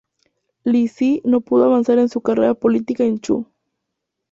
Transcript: Li Si no pudo avanzar en su carrera política en Chu.